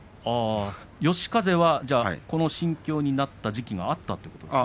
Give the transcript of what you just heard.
嘉風はこの心境になった時期があったということですか。